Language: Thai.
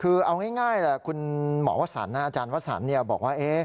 คือเอาง่ายคุณหมอวัศนาอาจารย์วัศนาบอกว่า